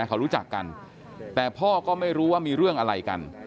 เขารู้จักกันแต่พ่อก็ไม่รู้ว่ามีเรื่องอะไรกัน